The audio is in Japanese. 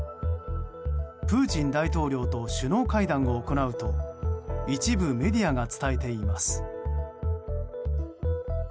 プーチン大統領と首脳会談を行うと一部メディアが伝えています。